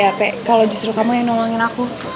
capek kalau justru kamu yang nolongin aku